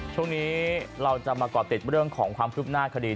ช่วงนี้เราจะมาก่อติดเรื่องของความคืบหน้าคดี